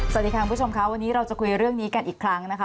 สวัสดีค่ะคุณผู้ชมค่ะวันนี้เราจะคุยเรื่องนี้กันอีกครั้งนะคะ